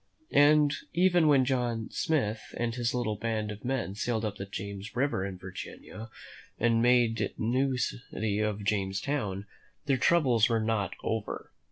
And even when John Smith and his little band of men sailed up the James River in Virginia, and made the new city of Jamestown, their troubles were not over.